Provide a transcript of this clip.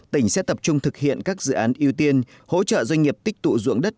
tỉnh sẽ tập trung thực hiện các dự án ưu tiên hỗ trợ doanh nghiệp tích tụ dụng đất